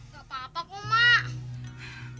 gak apa apa kok mak